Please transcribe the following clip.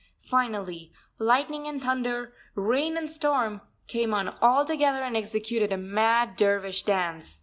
Finally, lightning and thunder, rain and storm, came on altogether and executed a mad dervish dance.